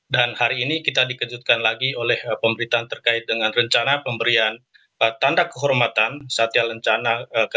dan hari ini kita dikejutkan lagi oleh pemberitaan terkait dengan rencana pemberian tanda kehormatan satya lancana